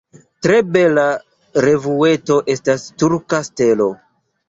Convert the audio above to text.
Tre bela revueto estas Turka Stelo.